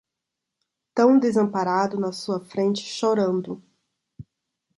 Tão desamparado na sua frente chorando